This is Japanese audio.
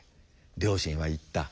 両親は言った。